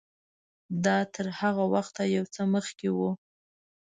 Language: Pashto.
دا تر هغه وخته یو څه مخکې و.